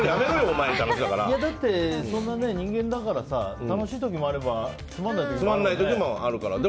だって人間だからさ楽しい時もあればつまんない時もあるよね。